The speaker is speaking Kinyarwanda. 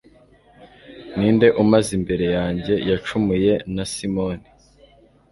ninde umaze imbere yanjye yacumuye na simony